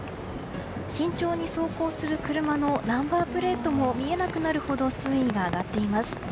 慎重に走行する車のナンバープレートも見えなくなるほど水位が上がっています。